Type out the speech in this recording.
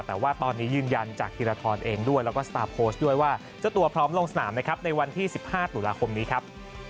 แต่ว่าตอนนี้ยืนยันจากธีรทรเองด้วยแล้วก็สตาร์โค้ชด้วยว่าเจ้าตัวพร้อมลงสนามนะครับในวันที่๑๕ตุลาคมนี้ครับ